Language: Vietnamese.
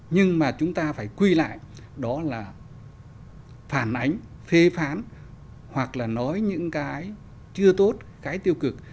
nhưng mà chúng ta phải quy lại đó là phản ánh phê phán hoặc là nói những cái chưa tốt cái tiêu cực